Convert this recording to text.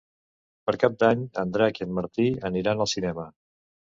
Per Cap d'Any en Drac i en Martí aniran al cinema.